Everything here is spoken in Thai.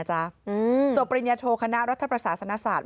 จบปริญญาโทคณะรัฐประศาสนศาสตร์